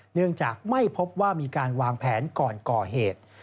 เนื่องจากไม่พบว่ามีการวางแผนก่อนก่อเหตุ